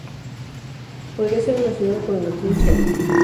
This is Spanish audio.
Podría ser relacionado con el Latín "sol.